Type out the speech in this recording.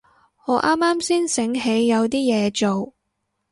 我啱啱先醒起有啲嘢做